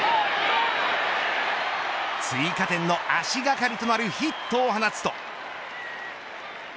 追加点の足掛かりとなるヒットを放つと。